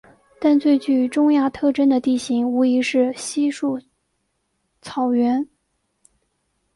但最具中亚特征的地形无疑是稀树草原。